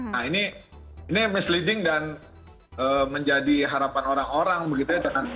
nah ini misleading dan menjadi harapan orang orang begitu ya